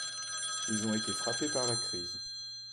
Ils ont été frappé par la crise.